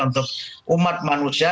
untuk umat manusia